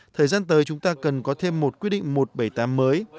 thời gian tới chúng ta cần có thêm một quyết định một trăm bảy mươi tám mới